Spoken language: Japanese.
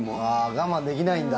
我慢できないんだ。